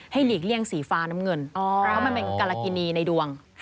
หลีกเลี่ยงสีฟ้าน้ำเงินเพราะมันเป็นกรกินีในดวง